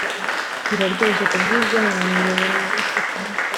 biraryoshye; kubwibyo, mwa miyoboro yoroshye, kina kuri;